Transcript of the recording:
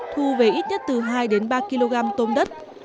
thu về ít nhất từ hai đến ba kg tôm đất